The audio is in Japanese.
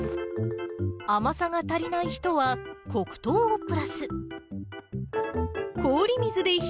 甘さが足りない人は、黒糖をプラス。